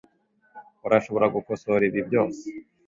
Urashobora gukosora ibi byose.